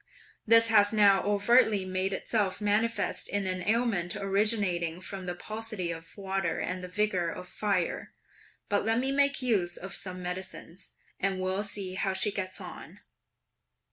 This has now overtly made itself manifest in an ailment originating from the paucity of water and the vigour of fire; but let me make use of some medicines, and we'll see how she gets on!"